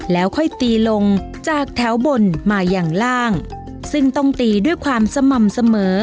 แล้วค่อยตีลงจากแถวบนมาอย่างล่างซึ่งต้องตีด้วยความสม่ำเสมอ